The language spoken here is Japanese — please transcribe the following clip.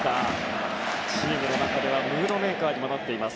チームの中ではムードメーカーになっています